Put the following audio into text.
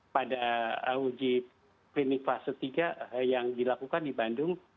pada uji klinik fase tiga yang dilakukan di bandung